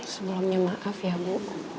sebelumnya maaf ya bu